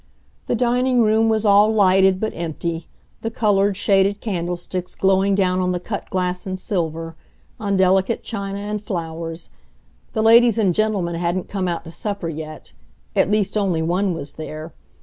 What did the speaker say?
The dining room was all lighted, but empty the colored, shaded candlesticks glowing down on the cut glass and silver, on delicate china and flowers. The ladies and gentlemen hadn't come out to supper yet; at least, only one was there.